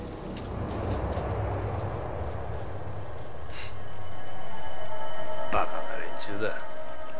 フッバカな連中だ。